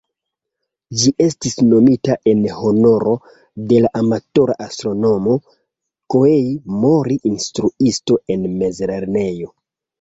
Ĝi estis nomita en honoro de la amatora astronomo "Kohei Mori", instruisto en mezlernejo.